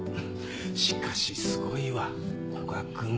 しかしすごいわ古賀君も。